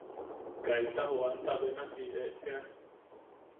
Kaita ne jooanta benasi eʼean.